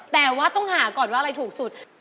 แต่ว่าต้องหาก่อนว่าอะไรถูกสุด